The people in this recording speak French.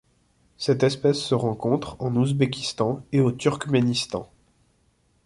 Cette espèce se rencontre en Ouzbékistan et au Turkménistan.